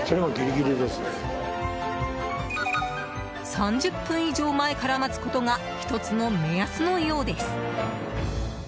３０分以上前から待つことが１つの目安のようです。